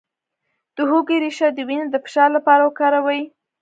د هوږې ریښه د وینې د فشار لپاره وکاروئ